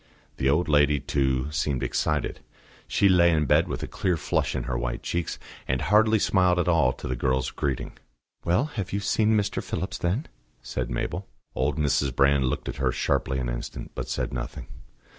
The old lady, too, seemed excited. She lay in bed with a clear flush in her white cheeks, and hardly smiled at all to the girl's greeting. "Well, you have seen Mr. Phillips, then?" said Mabel. Old Mrs. Brand looked at her sharply an instant, but said nothing.